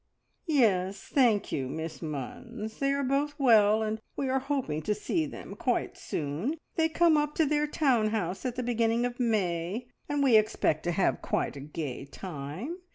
"Yes, thank you, Miss Munns. They are both well, and we are hoping to see them quite soon. They come up to their town house at the beginning of May, and we expect to have quite a gay time.